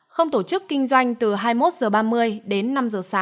không tổ chức kinh doanh từ hai mươi một h ba mươi đến năm h sáng